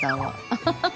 アハハハ！